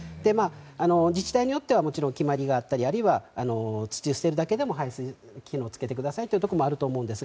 自治体によっては決まりがあったりあるいは土を捨てるだけでも排水機能を付けてくださいというところもあると思うんですが